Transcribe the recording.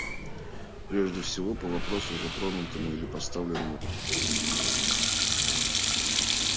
Прежде всего, по вопросу, затронутому или поставленному делегатом от Российской Федерации.